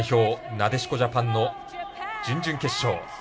なでしこジャパンの準々決勝。